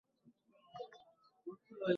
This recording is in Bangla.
আপন ছাগল বেঁধে রাখি, পরের ছাগল হাততালি দি।